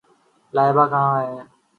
لائبہ کہاں ہے؟